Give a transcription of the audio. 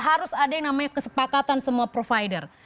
harus ada yang namanya kesepakatan semua provider